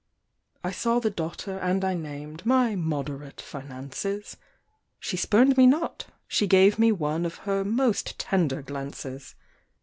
I saw the daughter, and I named My moderate finances; She spurned me not, she gave me one Of her most tender glances.